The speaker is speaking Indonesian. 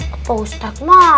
hmm pak ustadz mah